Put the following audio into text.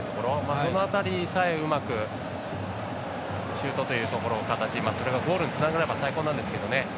その辺りさえうまくシュートというところの形それがゴールにつながれば最高なんですけどね。